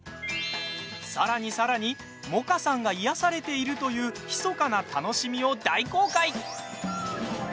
さらに、さらに萌歌さんが癒やされているというひそかな楽しみを大公開！？